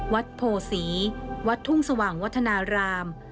วัดโพศีวัดทุ่งสว่างวัฒนาราม